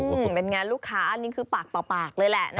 อื้อหื้มเป็นไงลูกค้านี้คือปากต่อปากเลยแหละนะคะ